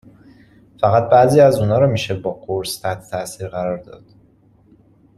فقط بعضی از اونها را میشه با قرص تحت تاثیر قرار داد!